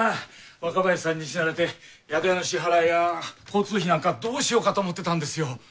若林さんに死なれて宿屋の支払いや交通費なんかどうしようかと思ってたんですよ。